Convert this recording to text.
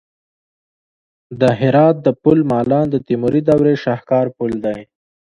د هرات د پل مالان د تیموري دورې شاهکار پل دی